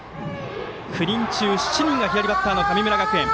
９人中７人が左バッターの神村学園。